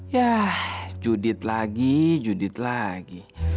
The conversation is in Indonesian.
yah yudit lagi yudit lagi